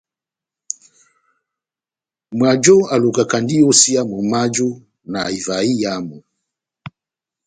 Mwajo alukindi iyosiya momó waju na ivaha iyamu.